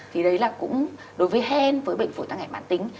thì đấy là cũng đối với hen với bệnh phối tăng hẹn bản tính